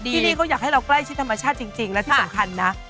ที่นี่เขาอยากให้เราใกล้ชิดธรรมชาติจริงและที่สำคัญนะ